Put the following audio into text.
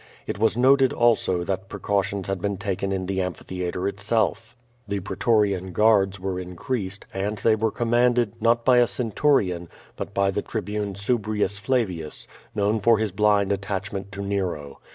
It was noted, also, that precau tions had been taken in the amphitheatre itself. The pre torian guards Jvvere increased, and they were commanded, not by a centurioa, but by the Tribune Subrius Flavius, known for his blind fettachment to Nero.